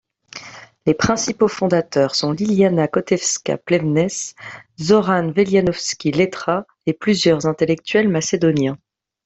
Les principaux fondateurs sont Liljana Kotevska Plevnes, Zoran Veljanovski Letra et plusieurs intellectuels macédoniens.